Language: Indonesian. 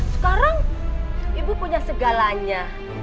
sekarang ibu punya segalanya